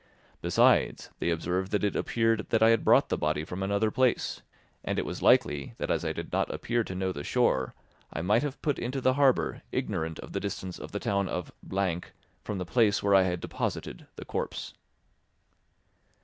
Besides, they observed that it appeared that I had brought the body from another place, and it was likely that as I did not appear to know the shore, I might have put into the harbour ignorant of the distance of the town of —— from the place where I had deposited the corpse.